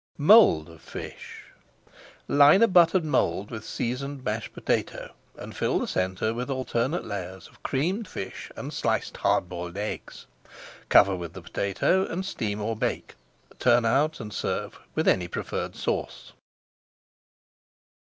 MOULD OF FISH Line a buttered mould with seasoned mashed potato and fill the centre with alternate layers of Creamed Fish and sliced hard boiled eggs. Cover with the potato and steam or bake. Turn out and serve with any preferred sauce.